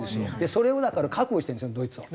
それをだから覚悟してるんですよドイツは。